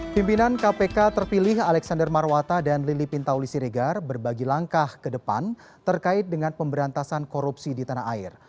pimpinan kpk terpilih alexander marwata dan lili pintauli siregar berbagi langkah ke depan terkait dengan pemberantasan korupsi di tanah air